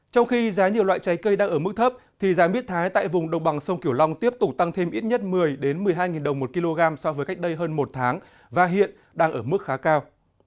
trong khi giá nhiều loại trái cây đang ở mức thấp thì giá miết thái tại vùng đồng bằng sông kiểu long tiếp tục tăng thêm ít nhất một mươi một mươi hai đồng một kg so với cách đây hơn một tháng và hiện đang ở mức khá cao